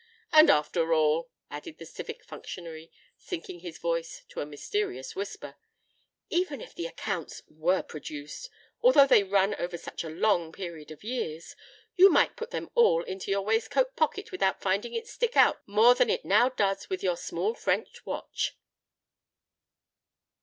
And, after all," added the civic functionary, sinking his voice to a mysterious whisper, "even if the accounts were produced,—although they run over such a long period of years, you might put them all into your waistcoat pocket without finding it stick out more than it now does with your small French watch."